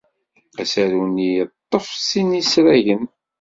Asaru-nni yeḍḍef sin n yisragen.